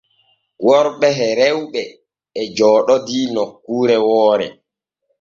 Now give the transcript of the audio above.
Worɓe e rewɓe e jooɗodii nokkure woore.